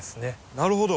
なるほど。